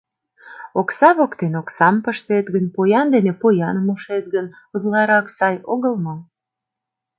Окса воктен оксам пыштет гын, поян дене пояным ушет гын, утларак сай огыл мо?